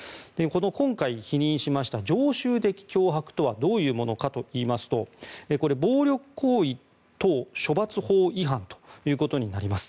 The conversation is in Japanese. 今回否認した常習的脅迫とはどういうものかといいますと暴力行為等処罰法違反ということになります。